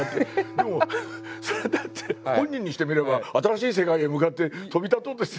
でもそれはだって本人にしてみれば新しい世界へ向かって飛び立とうとして。